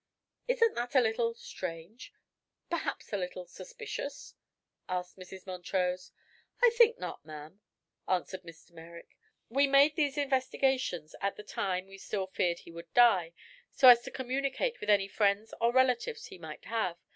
"Isn't that a little strange perhaps a little suspicious?" asked Mrs. Montrose. "I think not, ma'am," answered Mr. Merrick. "We made these investigations at the time we still feared he would die, so as to communicate with any friends or relatives he might have.